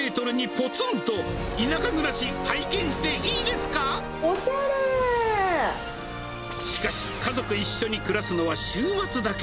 しかし、家族一緒に暮らすのは週末だけ。